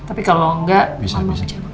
tapi kalo enggak mau bicara